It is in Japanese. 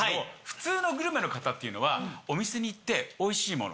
普通のグルメの方っていうのはお店に行っておいしいもの